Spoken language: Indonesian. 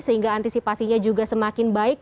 sehingga antisipasinya juga semakin baik